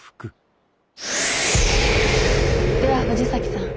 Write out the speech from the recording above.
では藤崎さん